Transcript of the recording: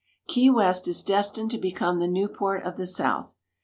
Key West is destined to become the Newport of the South.